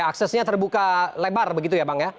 aksesnya terbuka lebar begitu ya bang ya